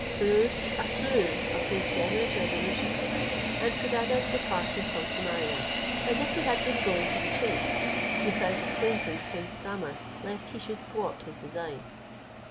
Pirouzč approved of his generous resolutions, and Codadad departed from Samaria, as if he had been going to the chase, without acquainting prince Samer, lest he should thwart his design.